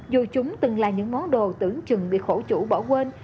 dù chúng từng là những món đồ tưởng chừng bị khổ chủ bỏ quên